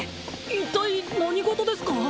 一体何事ですか？